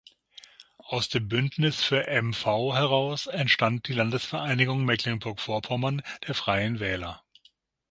Aus dem Bündnis für M-V heraus entstand die Landesvereinigung Mecklenburg-Vorpommern der Freien Wähler.